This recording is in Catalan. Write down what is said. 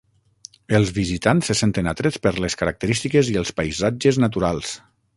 Els visitants se senten atrets per les característiques i els paisatges naturals.